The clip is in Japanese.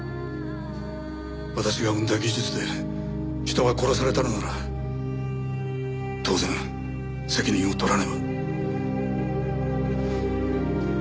私が生んだ技術で人が殺されたのなら当然責任を取らねば。